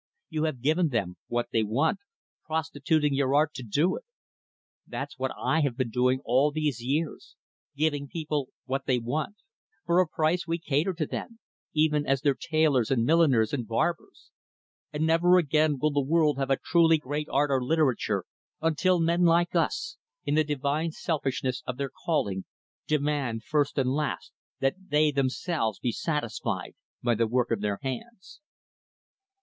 You have given them what they want, prostituting your art to do it. That's what I have been doing all these years giving people what they want. For a price we cater to them even as their tailors, and milliners, and barbers. And never again will the world have a truly great art or literature until men like us in the divine selfishness of their, calling demand, first and last, that they, themselves, be satisfied by the work of their hands."